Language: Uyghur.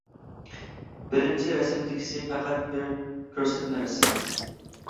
بىرىنچى رەسىمدىكىسى پەقەت بىر كۆرسەتمە رەسىم.